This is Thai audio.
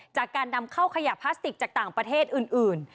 จากการนำเข้าขยะพลาสติกจากต่างประเทศอื่น